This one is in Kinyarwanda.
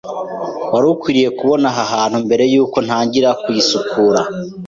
Wari ukwiye kubona aha hantu mbere yuko ntangira kuyisukura.